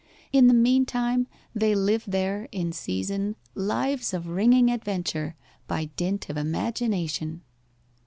In the mean time they lived there, in season, lives of ringing adventure by dint of imagination.